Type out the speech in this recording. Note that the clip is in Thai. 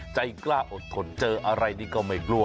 ใจกล้าอดทนเจออะไรนี่ก็ไม่กลัว